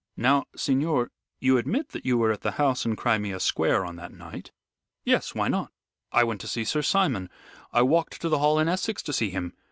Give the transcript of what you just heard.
"Now, signor, you admit that you were at the house in Crimea Square on that night." "Yes, why not? I went to see Sir Simon. I walked to the Hall in Essex to see him.